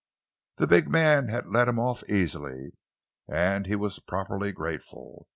The big man had let him off easily, and he was properly grateful.